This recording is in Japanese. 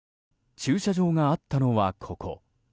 駐車場があったのは、ここ。